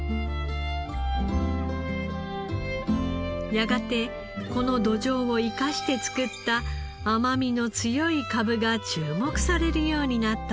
やがてこの土壌を生かして作った甘みの強いかぶが注目されるようになったのです。